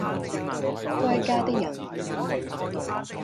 歸家的人